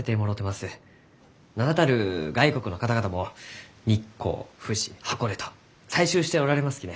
名だたる外国の方々も日光富士箱根と採集しておられますきね。